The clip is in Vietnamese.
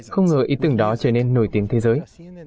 không ngờ ý tưởng đó trở nên nổi tiếng thế giới